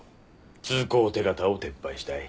通行手形を撤廃したい。